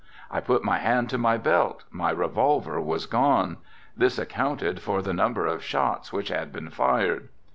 I put my hand to my belt, my revolver was gone; this accounted for the number of shots which had been fired.